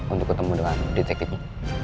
untuk ketemu dengan detektifnya